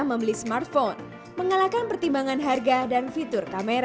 membeli smartphone mengalahkan pertimbangan harga dan fitur kamera